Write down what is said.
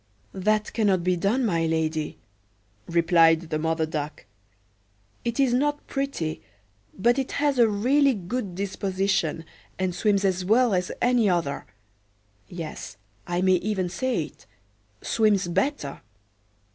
"That cannot be done, my lady," replied the Mother Duck. "It is not pretty, but it has a really good disposition, and swims as well as any other; yes, I may even say it, swims better.